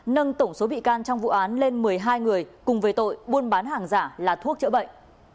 nâng tổng số bị can trong vụ án lên một mươi hai người cùng về tội buôn bán hàng giả là thuốc chữa bệnh